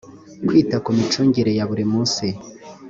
kwita ku micungire ya buri munsi